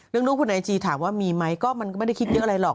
รูปคุณไอจีถามว่ามีไหมก็มันก็ไม่ได้คิดเยอะอะไรหรอก